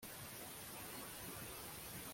izaba ari pasika ya Yehova